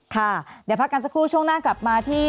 ค่ะเดี๋ยวพักกันสักครู่ช่วงหน้ากลับมาที่